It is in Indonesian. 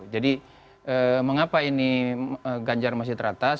jadi mengapa ini ganjar masih teratas